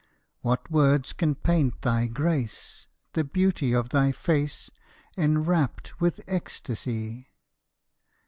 What words can paint thy grace, The beauty of thy face, Enrapt with ecstasy?